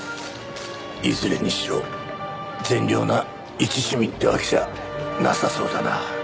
いずれにしろ善良な一市民ってわけじゃなさそうだな。